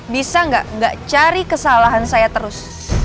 bisa nggak cari kesalahan saya terus